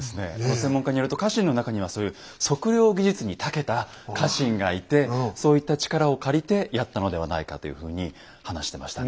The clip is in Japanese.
専門家によると家臣の中にはそういう測量技術にたけた家臣がいてそういった力を借りてやったのではないかというふうに話してましたね。